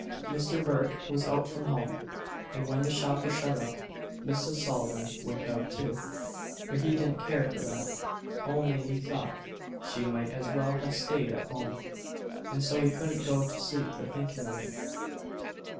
Misther Burke was out from home; and when the shop was shut up, Mrs. Sullivan went out too: but he didn't much care for that, ounly he thought she might as well have staid at home, and so he couldn't go to sleep for thinking of it.